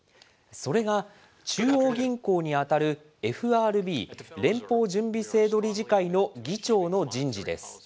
それが中央銀行に当たる、ＦＲＢ・連邦準備制度理事会の議長の人事です。